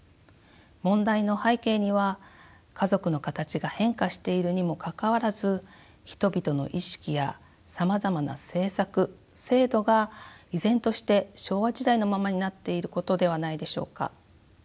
問題の背景には家族の形が変化しているにもかかわらず人々の意識やさまざまな政策制度が依然として昭和時代のままになっていることではないでしょうか。